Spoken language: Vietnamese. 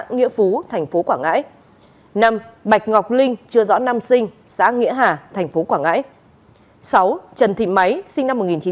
bảy nguyễn trần hữu trung sinh năm một nghìn chín trăm chín mươi chín xã nghĩa hà tp quảng ngãi tử vong tại bệnh viện